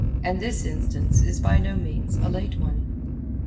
And this instance is by no means a late one.